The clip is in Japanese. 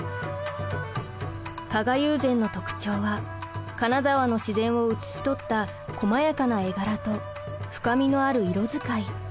加賀友禅の特徴は金沢の自然を写し取ったこまやかな絵柄と深みのある色使い。